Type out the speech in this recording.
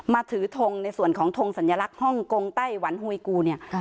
ถือทงในส่วนของทงสัญลักษณ์ฮ่องกงไต้หวันหวยกูเนี่ย